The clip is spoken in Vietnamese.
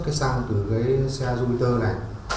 cái xăng từ cái xe jupiter này